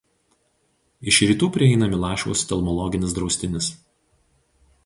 Iš rytų prieina Milašiaus telmologinis draustinis.